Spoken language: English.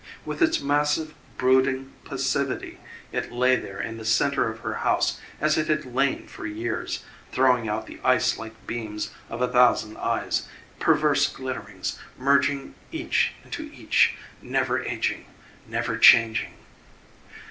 With its massive, brooding passivity it lay there in the centre of her house as it had lain for years, throwing out the ice like beams of a thousand eyes, perverse glitterings merging each into each, never aging, never changing.